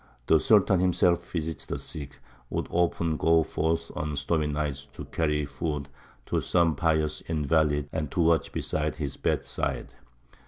The Sultan himself visited the sick, and would often go forth on stormy nights to carry food to some pious invalid and to watch beside his bedside.